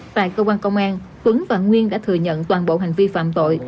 tại cơ quan công an tuấn và nguyên đã thừa nhận toàn bộ hành vi phạm tội